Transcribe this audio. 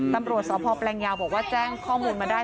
ตำรวจสพแปลงยาวบอกว่าแจ้งข้อมูลมาได้